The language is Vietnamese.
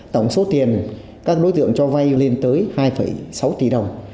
tổng số tiền các đối tượng cho vay lên tới hai sáu tỷ đồng